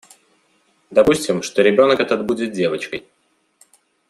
Допустим, что ребенок этот будет девочкой.